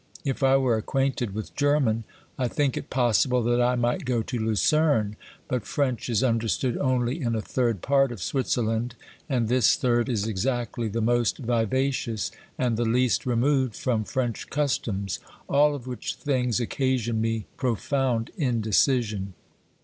If I were acquainted with German, I think it possible that I might go to Lucerne, but French is understood only in a third part of Switzerland, and this third is exactly the most vivacious and the least removed from French customs, all of which things occasion me pro found indecision.